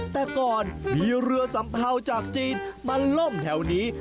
แต่ก่อนมีเรือสัมเภาจากจีนมาล่มแถวนี้